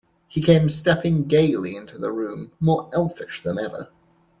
He came stepping gaily into the room, more elfish than ever.